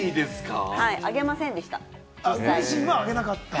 はい、挙げませんでした、